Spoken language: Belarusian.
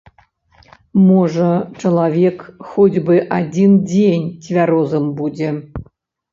Можа, чалавек хоць бы адзін дзень цвярозым будзе.